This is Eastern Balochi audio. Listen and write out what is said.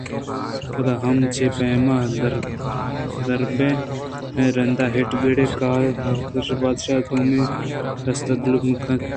پدا ما چہ پیم دربیائیں؟ رَند ءِ ہِٹّ ءِ ڑے کارءَ نئیت شادو بادشاہ توامیں رستر ءُ دلوت مُچّ اِتنت